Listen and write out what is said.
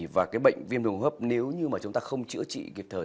và cái bệnh viêm đường hấp nếu như mà chúng ta không chữa trị kịp thời